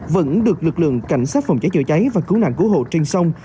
vẫn được lực lượng cảnh sát phòng cháy chữa cháy và cứu nạn cứu hộ trên sông